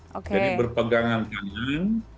jadi berpegangan tangan